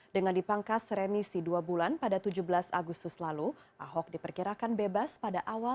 dengan dipangkas remisi dua bulan pada tujuh belas agustus lalu ahok diperkirakan bebas pada awal dua ribu sembilan belas